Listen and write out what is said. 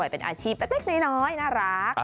เป็นอาชีพเล็กน้อยน่ารัก